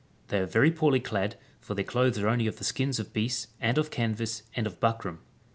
They are very poorly clad, for their clothes are only of the skins of beasts, and of canvass, and of buckram.